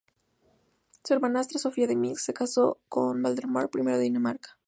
Su hermanastra, Sofía de Minsk, se casó con Valdemar I de Dinamarca.